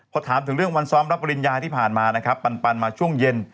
พอถามถึงเรื่องวันซ้อมรับปริญญาที่ผ่านมานะครับปันมาช่วงเย็น